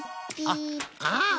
あっああ